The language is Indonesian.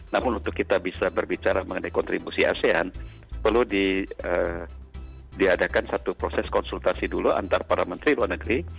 namun untuk kita bisa berbicara mengenai kontribusi asean perlu diadakan satu proses konsultasi dulu antara para menteri luar negeri